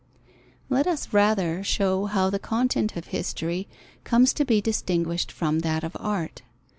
Let us rather show how the content of history comes to be distinguished from that of art.